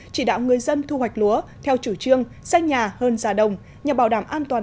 chỉ đạo người dân thu hoạch lúa theo chủ trương xanh nhà hơn già đồng nhằm bảo đảm an toàn